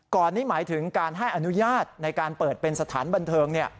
ก่อนนี้หมายถึงการให้อนุญาตในการเปิดเป็นสถานบันเทิง